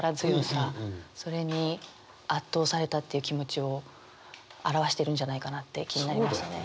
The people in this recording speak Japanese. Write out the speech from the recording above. それに圧倒されたっていう気持ちを表してるんじゃないかなって気になりましたね。